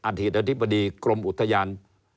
อดีตอธิบดีกรมอุทยาน